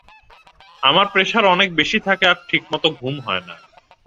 আমার প্রেসার অনেক বেশি থাকে আর ঠিকমত ঘুম হয় না।